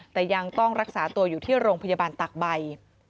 แต่ยังต้องรักษาตัวอยู่ที่โรงพยาบาลตากใบ